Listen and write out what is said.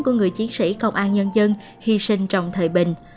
của người chiến sĩ công an nhân dân hy sinh trong thời bình